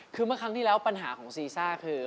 คือเมื่อครั้งที่แล้วปัญหาของซีซ่าคือ